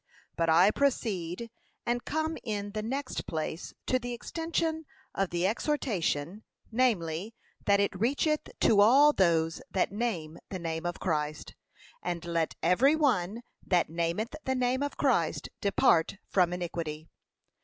] But I proceed, and come in the next place to the extension of the exhortation, namely, that it reacheth to all those that name the name of Christ. 'And let every one that nameth the name of Christ depart from iniquity.'